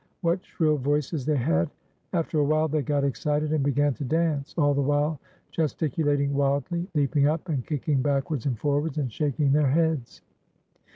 what shrill voices they had ! After a while they got excited, and began to dance, all the while gesticulating wildly, leaping up, and kick ing backwards and forwards, and shaking their heads.